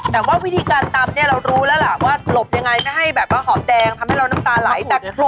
แต่ว่าวิธีการตำเนี่ยเรารู้แล้วล่ะว่าหลบยังไง